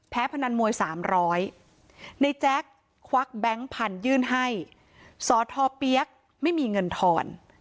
พนันมวย๓๐๐ในแจ๊คควักแบงค์พันยื่นให้สอทอเปี๊ยกไม่มีเงินทอน